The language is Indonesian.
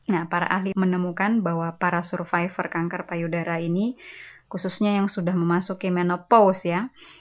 nah para ahli menemukan bahwa para survivor kanker payudara ini khususnya yang sudah memasuki menopaus ya